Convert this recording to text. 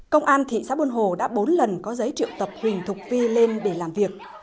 công an thị xã buôn hồ đã bốn lần có giấy triệu tập huỳnh thục vi lên để làm việc